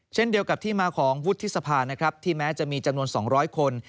เช่นเดียวกับที่มาของวุฒิสภานะครับที่แม้จะมีจำนวน๒๐๐คน